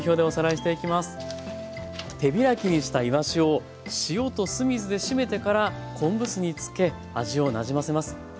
手開きにしたいわしを塩と酢水でしめてから昆布酢につけ味をなじませます。